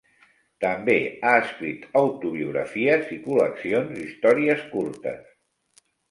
També ha escrit autobiografies i col·leccions d'històries curtes.